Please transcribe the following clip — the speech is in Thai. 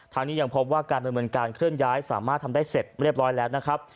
ทางนี้ยังพบว่าการดำเนินการเคลื่อนย้ายสามารถทำได้เสร็จเรียบร้อยแล้วนะครับ